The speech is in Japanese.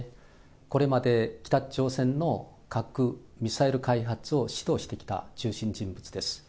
これまで北朝鮮の核ミサイル開発を指導してきた中心人物です。